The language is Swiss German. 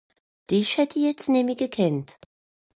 Dìch hätt ìch jetzt nemmi gekannt.